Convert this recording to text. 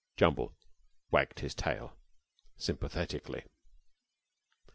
Jumble wagged his tail, sympathetically.